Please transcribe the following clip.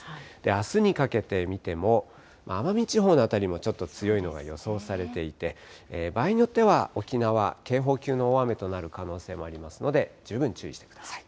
あすにかけて見ても、奄美地方の辺りもちょっと強いのが予想されていて、場合によっては、沖縄、警報級の大雨となる可能性もありますので、十分注意してください。